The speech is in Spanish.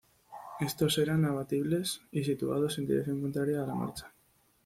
Estos eran abatibles y situados en dirección contraria a la marcha.